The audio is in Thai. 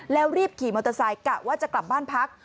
แล้วรีบขี่มอเตอร์ไซค์กะว่าจะกลับบ้านพัก